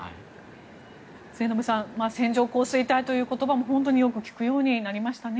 末延さん線状降水帯という言葉もよく聞くようになりましたね。